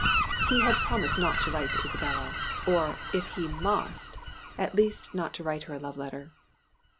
He had promised not to write to Isabella or, if he must, at least not to write a love letter.